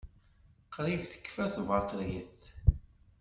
Qrib tekfa tbaṭrit.